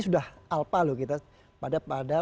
sudah alpa loh kita pada